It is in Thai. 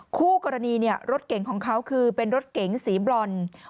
คู่กรณีรถเก่งของเขาคือเป็นรถเก๋งสีบรอน